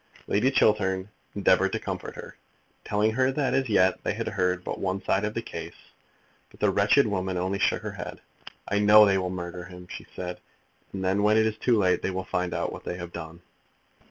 Lady Chiltern endeavoured to comfort her, telling her that as yet they had heard but one side of the case; but the wretched woman only shook her head. "I know they will murder him," she said, "and then when it is too late they will find out what they have done!" [Illustration: "Violet, they will murder him."